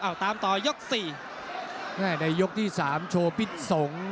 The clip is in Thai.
เอาตามต่อยกสี่แม่ในยกที่สามโชว์พิษสงฆ์